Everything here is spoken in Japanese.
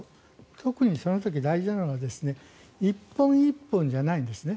特にその時、大事なのは１本１本じゃないんですね。